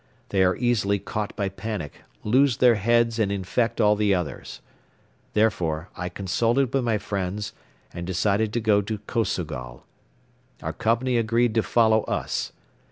They are easily caught by panic, lose their heads and infect all the others. Therefore, I consulted with my friends and decided to go to Kosogol. Our company agreed to follow us.